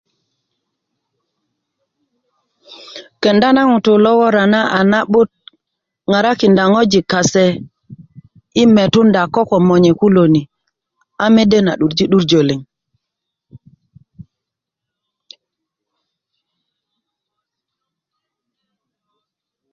Kenda na ŋutu' lo wora na a na'but ŋarakinda ŋojik kase yi metunda ko komonye kulo ni mede na 'durji 'duirjö liŋ